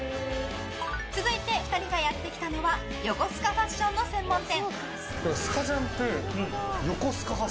続いて、２人がやってきたのは横須賀ファッションの専門店。